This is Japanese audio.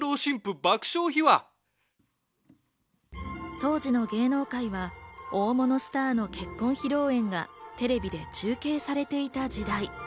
当時の芸能界は大物スターの結婚披露宴がテレビで中継されていた時代。